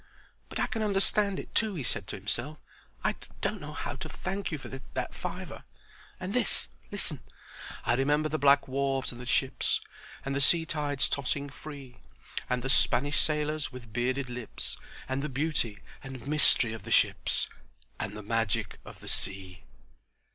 "But I can understand it too," he said to himself. "I don't know how to thank you for that fiver. And this; listen— "'I remember the black wharves and the ships And the sea tides tossing free, And the Spanish sailors with bearded lips, And the beauty and mystery of the ships, And the magic of the sea.'